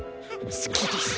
すきです！